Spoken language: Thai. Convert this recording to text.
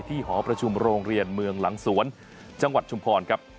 หอประชุมโรงเรียนเมืองหลังสวนจังหวัดชุมพรครับ